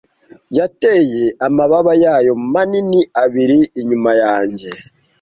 yateye amababa yayo manini abiri inyuma yanjye